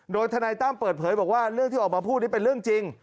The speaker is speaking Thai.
โดยทนายตั้มเปิดเผยบอกว่าเรื่องที่ออกมาพูดนี่เป็นเรื่องจริง